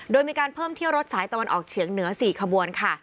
โดยมีการเพิ่มเที่ยวรถสายตะวันออกเฉียงเหนือ๔ขบวนค่ะ